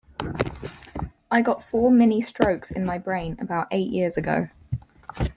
I got four mini strokes in my brain about eight years ago.